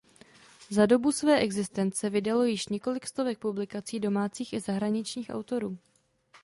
Za dobu své existence vydalo již několik stovek publikací domácích i zahraničních autorů.